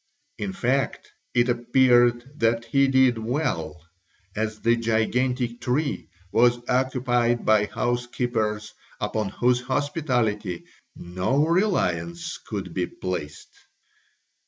In fact, it appeared that he did well as the gigantic tree was occupied by housekeepers upon whose hospitality no reliance could be placed.